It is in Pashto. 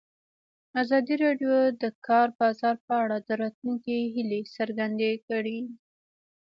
ازادي راډیو د د کار بازار په اړه د راتلونکي هیلې څرګندې کړې.